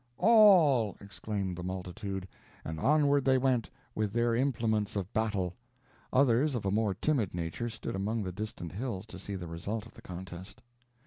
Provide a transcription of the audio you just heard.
"All," exclaimed the multitude; and onward they went, with their implements of battle. Others, of a more timid nature, stood among the distant hills to see the result of the contest.